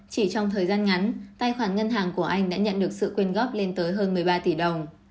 chỉ trong thời gian ngắn tài khoản ngân hàng của anh đã nhận được sự quyên góp lên tới hơn một mươi ba tỷ đồng